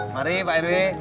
mari pak eriwi